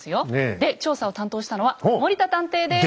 で調査を担当したのは森田探偵です。